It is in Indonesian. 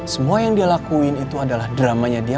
semua yang dia lakuin itu adalah dramanya dia